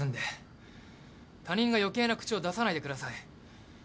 他人が余計な口を出さないでください。